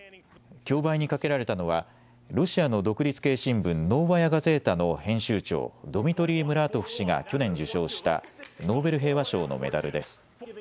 競売にかけられたのは、ロシアの独立系新聞、ノーバヤ・ガゼータの編集長、ドミトリー・ムラートフ氏が去年受賞したノーベル平和賞のメダルです。